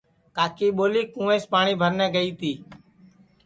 کاکی ٻولی کُوینٚس پاٹؔی بھر نے گئی تی